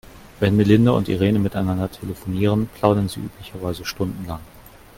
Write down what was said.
Wenn Melinda und Irene miteinander telefonieren, plaudern sie üblicherweise stundenlang.